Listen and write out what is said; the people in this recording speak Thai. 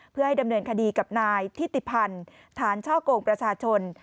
เพื่อให้ดำเนินคดีกับนายทิติพันธ์ฐานช่อกงประชาชน